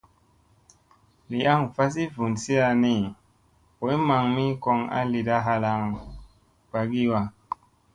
Li aŋ vasi vunsiya ni boy maŋ mi koŋ a lida halaŋ ɓagii wa.